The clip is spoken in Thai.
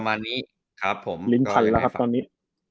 ท่านฝรั่งตอนนี้